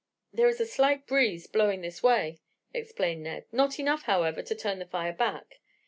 "There is a slight breeze blowing this way," explained Ned. "Not enough, however, to turn the fire back.